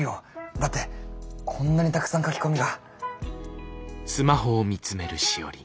だってこんなにたくさん書き込みが。